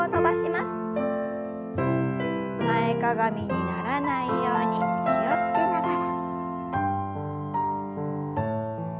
前かがみにならないように気を付けながら。